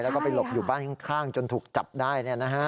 แล้วก็ไปหลบอยู่บ้านข้างจนถูกจับได้